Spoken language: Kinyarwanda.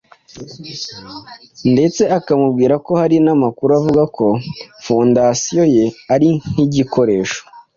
ndetse akamubwira ko hari n'amakuru avugwa ko 'Fondation' ye ari nkigikoresho